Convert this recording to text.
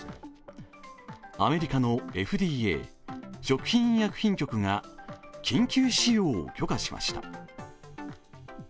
アメリカのＦＤＡ＝食品医薬品局が緊急使用を許可しました。